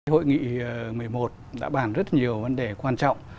hội nghị một mươi một đã bàn rất nhiều vấn đề quan trọng